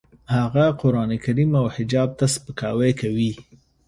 هغه قرانکریم او حجاب ته سپکاوی کوي